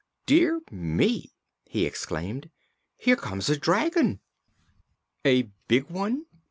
"Dear me!" he exclaimed. "Here comes a dragon." "A big one?"